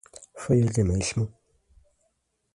Foi ele mesmo